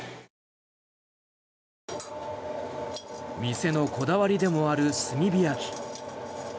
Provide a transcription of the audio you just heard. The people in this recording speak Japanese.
店のこだわりでもある炭火焼き。